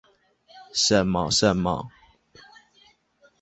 什麼什麼